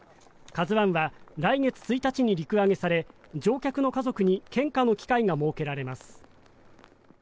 「ＫＡＺＵ１」は来月１日に陸揚げされ乗客の家族に献花の機会が設けられます。